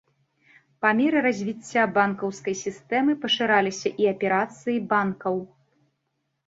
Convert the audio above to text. Па меры развіцця банкаўскай сістэмы пашыраліся і аперацыі банкаў.